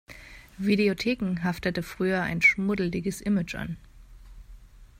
Videotheken haftete früher ein schmuddeliges Image an.